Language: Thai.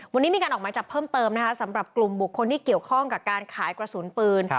วันนี้มีการออกหมายจับเพิ่มเติมนะคะสำหรับกลุ่มบุคคลที่เกี่ยวข้องกับการขายกระสุนปืน